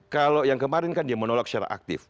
kalau yang kemarin kan dia menolak secara aktif